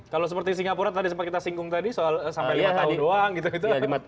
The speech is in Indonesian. kalau seperti singapura tadi sempat kita singgung tadi soal sampai lima tahun doang gitu